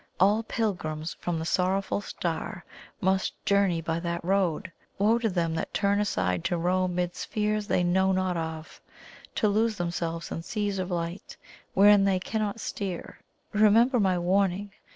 All pilgrims from the Sorrowful Star must journey by that road. Woe to them that turn aside to roam mid spheres they know not of, to lose themselves in seas of light wherein they cannot steer! Remember my warning!